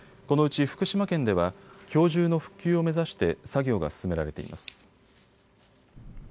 このうち福島県ではきょう中の復旧を目指して作業が進められています。